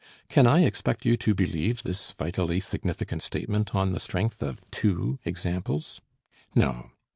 Can I expect you to believe this vitally significant statement on the strength of two examples? No.